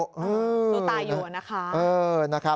หนูตายอยู่อะนะคะ